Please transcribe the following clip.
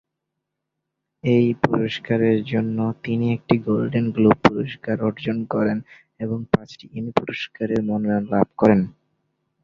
এই কাজের জন্য তিনি একটি গোল্ডেন গ্লোব পুরস্কার অর্জন করেন এবং পাঁচটি এমি পুরস্কারের মনোনয়ন লাভ করেন।